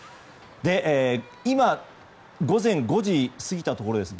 今、現地は午前５時過ぎたところです。